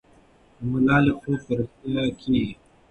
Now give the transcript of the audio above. د ملالۍ خوب به رښتیا کېږي.